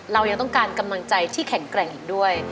เรายังต้องการกำลังใจที่แข็งแกร่งอีกด้วย